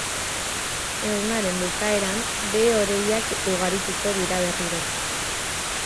Egunaren bukaeran behe-hodeiak ugarituko dira berriro.